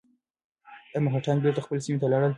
ایا مرهټیان بېرته خپلې سیمې ته لاړل؟